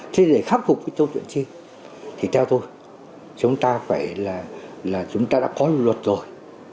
thế để khắc phục cái câu chuyện trên thì theo tôi chúng ta phải là chúng ta đã có luật rồi